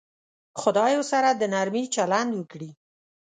خدای ورسره د نرمي چلند وکړي.